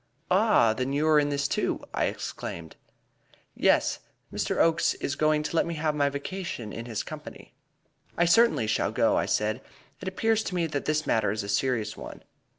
"Ah! Then you are in this too?" I exclaimed. "Yes, Mr. Oakes is going to let me have my vacation in his company." "I certainly shall go," I said; "it appears to me that this matter is a serious one."